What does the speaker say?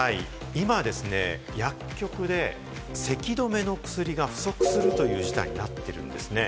今ですね、薬局でせきどめの薬が不足するという事態になっているんですね。